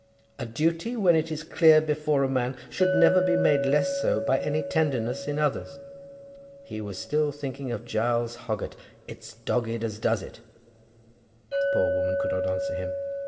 A duty, when it is clear before a man, should never be made less so by any tenderness in others." He was still thinking of Giles Hoggett. "It's dogged as does it." The poor woman could not answer him.